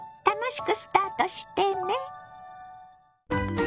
楽しくスタートしてね。